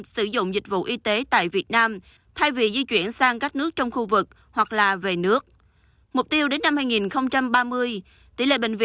xin chào và hẹn gặp lại